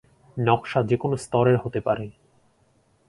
নকশা যে কোনো স্তরের হতে পারে।